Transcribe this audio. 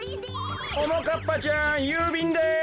ももかっぱちゃんゆうびんです。